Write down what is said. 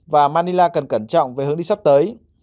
và manila cần cẩn trọng về hướng đi sắp tới